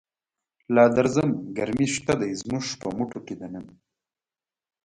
لادرزم ګرمی شته دی، زموږ په مټوکی دننه